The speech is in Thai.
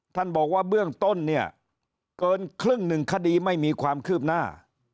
ท่านบอกว่าเบื้องต้นเนี่ยเกินครึ่งหนึ่งคดีไม่มีความคืบหน้า